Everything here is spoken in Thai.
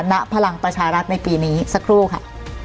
ณพลังประชารัฐในปีนี้สักครู่ค่ะ